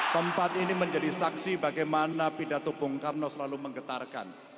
tempat ini menjadi saksi bagaimana pidato pungkarno selalu menggetarkan